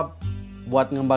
tidak ada apa apa